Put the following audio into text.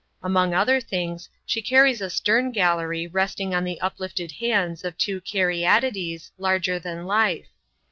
Among other things, she carries a stem gallery resting on the uplifted hands of two Caryatides, larger than life.